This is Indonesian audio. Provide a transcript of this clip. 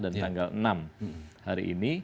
dan tanggal enam hari ini